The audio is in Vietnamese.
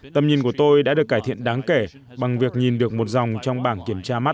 tầm nhìn của tôi đã được cải thiện đáng kể bằng việc nhìn được một dòng trong bảng kiểm tra mắt